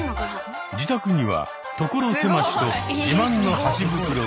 自宅には所狭しと自慢の箸袋がずらり！